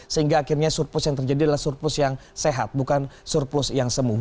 sehingga akhirnya surplus yang terjadi adalah surplus yang sehat bukan surplus yang semuh